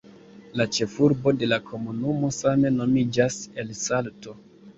La ĉefurbo de la komunumo same nomiĝas "El Salto".